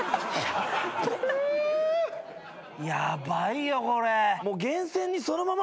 ヤバいよこれ。